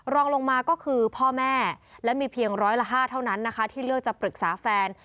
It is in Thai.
รองลงมาก็คือพ่อแม่และมีเพียงร้อยละ๕เท่านั้นนะคะที่เลือกจะปรึกษาแฟน